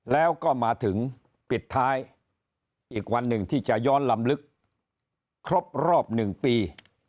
แล้วก็มาถึงปิดท้ายอีกวันหนึ่งที่จะย้อนลำลึกครบรอบ๑ปี